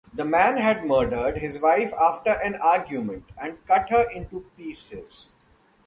The man had murdered his wife after an argument and cut her into pieces.